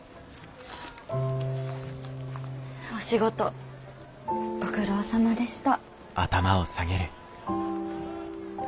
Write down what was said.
お仕事ご苦労さまでした。